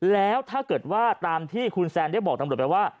แล้วถ้าเกิดว่าตามที่คุณแซนได้บอกตำรวจไปว่า